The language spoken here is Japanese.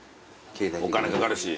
お金かかるし。